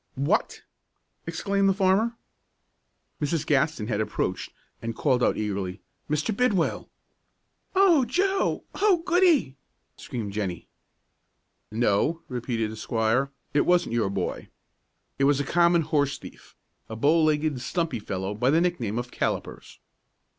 "What!" exclaimed the farmer. Mrs. Gaston had approached, and called out eagerly, "Mr. Bidwell!" "O Joe! Oh, goody!" screamed Jennie. "No," repeated the squire, "it wasn't your boy. It was a common horse thief, a bow legged, stumpy fellow by the nickname of Callipers."